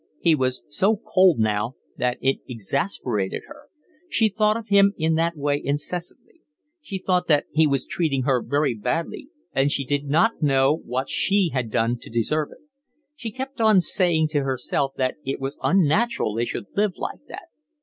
He was so cold now that it exasperated her. She thought of him in that way incessantly. She thought that he was treating her very badly, and she did not know what she had done to deserve it. She kept on saying to herself that it was unnatural they should live like that.